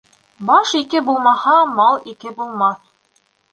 Баш ике булмаһа, мал ике булмаҫ.